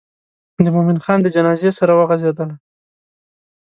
د مومن خان د جنازې سره وغزېدله.